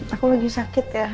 aku lagi sakit ya